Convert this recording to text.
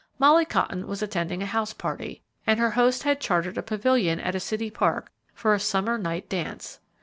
Molly Cotton was attending a house party, and her host had chartered a pavilion at a city park for a summer night dance.